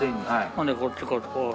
ほんでこっちこう。